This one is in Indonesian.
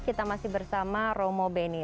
kita masih bersama romo beni